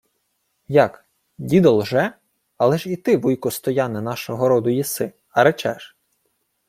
— Як, дідо лже? Але ж і ти, вуйку Стояне, нашого роду єси, а речеш...